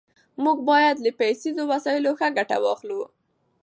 موږ بايد له پيسيزو وسايلو ښه ګټه واخلو.